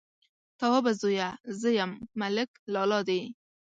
_توابه زويه! زه يم، ملک لالا دې.